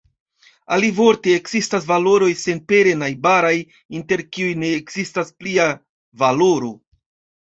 Alivorte, ekzistas valoroj senpere najbaraj, inter kiuj ne ekzistas plia valoro.